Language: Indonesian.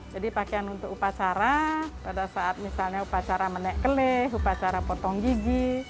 jadi pakaian untuk upacara pada saat misalnya upacara menek keleh upacara potong gigi